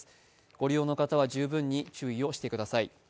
ご利用の方は十分に注意をしてください。